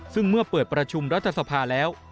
ซึ่งเมื่อเปิดประชุมรัฐสภาแล้ว